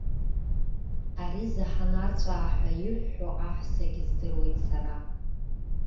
Ари заҳаны арҵәаа ҳәа иҳәҳәо аҳәсагьы здыруеит сара.